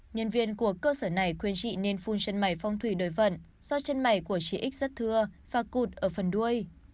nhân viên của cơ sở này khuyên chị nên phun trên mày phong thủy đổi vận do chân mày của chị x rất thưa và cụt ở phần đuôi